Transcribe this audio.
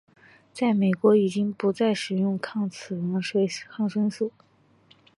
在美国已经不再使用此抗生素。